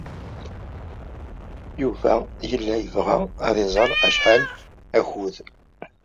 Yuba yella yebɣa ad iẓer acḥal akud.